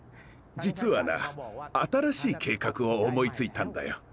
じつはな新しい計画を思いついたんだよ。